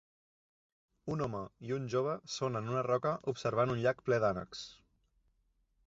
Un home i un jove són en una roca observant un llac ple d'ànecs